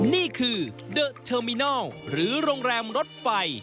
นี่คือเดอะเทอร์มินอลหรือโรงแรมรถไฟ